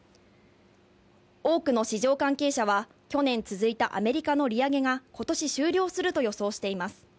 多くの市場関係者は去年続いたアメリカの利上げが今年終了すると予想しています。